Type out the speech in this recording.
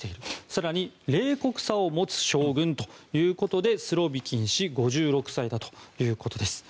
更に冷酷さを持つ将軍ということでスロビキン氏、５６歳だということです。